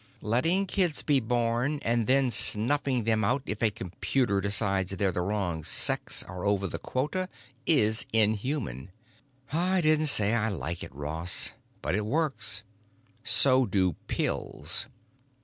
"Letting kids be born and then snuffing them out if a computer decides they're the wrong sex or over the quota is inhuman." "I didn't say I like it, Ross. But it works." "So do pills!"